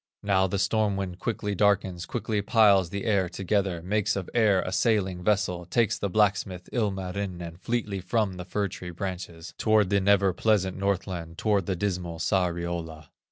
Now the storm wind quickly darkens, Quickly piles the air together, Makes of air a sailing vessel, Takes the blacksmith, Ilmarinen, Fleetly from the fir tree branches, Toward the never pleasant Northland, Toward the dismal Sariola.